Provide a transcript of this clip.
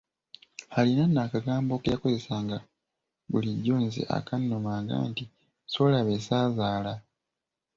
Alina nno akagambo ke yakozesanga bulijjo nze akannumanga nti; "ssoola be ssaazaala."